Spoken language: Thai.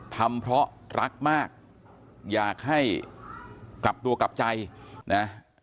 ทำเพราะรักมากอยากให้กลับตัวกลับใจนะ